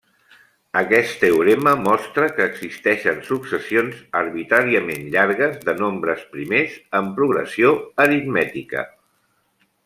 Aquest teorema mostra que existeixen successions arbitràriament llargues de nombres primers en progressió aritmètica.